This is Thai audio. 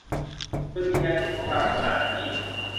โดยมีแนวคิดของการพัฒนาดังนี้